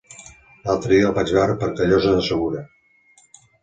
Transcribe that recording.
L'altre dia el vaig veure per Callosa de Segura.